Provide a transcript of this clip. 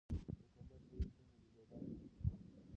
که انټرنیټ ضعیف وي نو ویډیوګانې نه چلیږي.